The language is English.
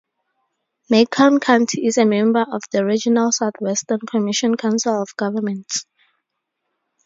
Macon County is a member of the regional Southwestern Commission council of governments.